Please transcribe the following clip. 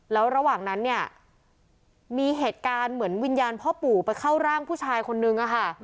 แล้วระหว่างนั้นเนี่ยมีเหตุการณ์เหมือนวิญญาณพ่อปู่ไปเข้าร่างผู้ชายคนนึงอะค่ะ